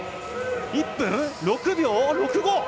１分６秒６５！